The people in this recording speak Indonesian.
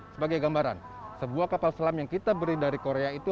sebagai gambaran sebuah kapal selam yang kita beri dari korea itu